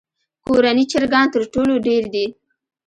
کورني چرګان تر ټولو ډېر دي.